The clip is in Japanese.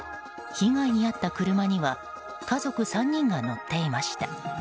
被害に遭った車には家族３人が乗っていました。